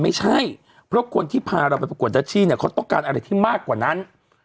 ไม่ใช่เพราะคนที่พาเรามาประกวดนะเขาต้องการอะไรที่มากกว่านั้น